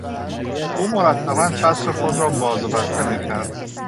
او مرتبا چتر خود را باز و بسته میکرد.